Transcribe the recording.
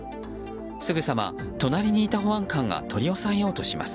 すぐさま、隣にいた保安官が取り押さえようとします。